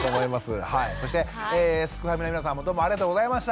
そしてすくファミの皆さんもどうもありがとうございました！